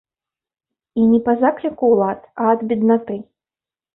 І не па закліку ўлад, а ад беднаты.